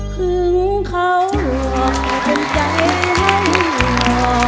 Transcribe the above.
หึงเขาหัวเป็นใจให้หัว